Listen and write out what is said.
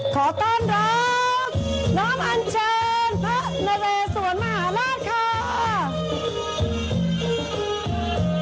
ขอต้อนรับน้อมอันเชิญพระนเรสวนมหาราชค่ะ